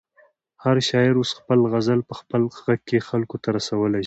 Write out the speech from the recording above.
هر شاعر اوس خپل غزل په خپل غږ کې خلکو ته رسولی شي.